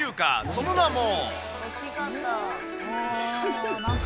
その名も。